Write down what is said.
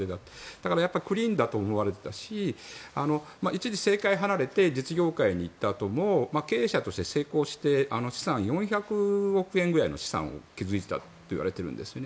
だからクリーンだと思われていたし一時、政界を離れて実業界に行ったあとも経営者として成功して４００億円ぐらいの資産を築いていたといわれているんですね。